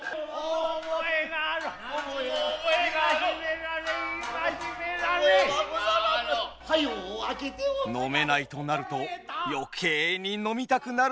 飲めないとなると余計に飲みたくなるのが酒飲みの性。